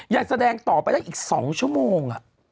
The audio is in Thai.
ยังแสดงต่อไปได้อีก๒ชั่วโมง